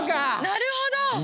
なるほど！